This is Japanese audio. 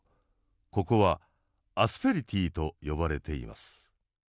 ここは「アスペリティ」と呼ばれています。